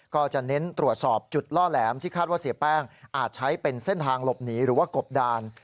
ก็จะเน้นตรวจสอบจุดล่อแหลมที่คาดว่าเสียแป้งอาจใช้เป็นเส้นทางหลบหนีหรือว่ากบดาน